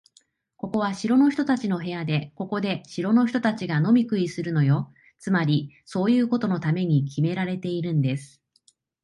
ここは城の人たちの部屋で、ここで城の人たちが飲み食いするのよ。つまり、そういうことのためにきめられているんです。